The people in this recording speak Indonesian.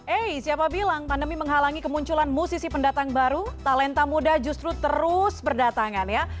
eh siapa bilang pandemi menghalangi kemunculan musisi pendatang baru talenta muda justru terus berdatangan ya